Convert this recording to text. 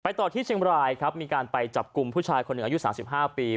ต่อที่เชียงบรายครับมีการไปจับกลุ่มผู้ชายคนหนึ่งอายุ๓๕ปี